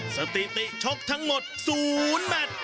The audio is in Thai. สถิติชกทั้งหมด๐แมท